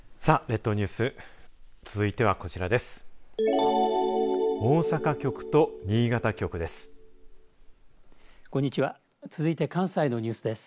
列島ニュース、続いてはこちらです。